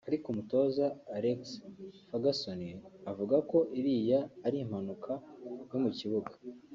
Ariko umutoza Alex Fergueson avuga ko iriya ari impanuka yo mu kibuga